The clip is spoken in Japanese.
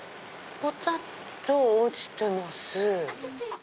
ぽたっと落ちてます。